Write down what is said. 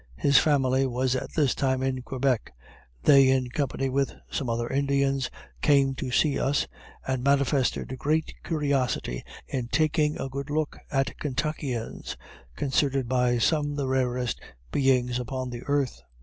His family was at this time in Quebec; they, in company with some other Indians, came to see us, and manifested great curiosity in taking a good look at Kentuckians considered by some the rarest beings upon the earth.